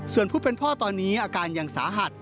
ส่วนผู้เป็นพ่อตอนนี้อาการยังสาหัส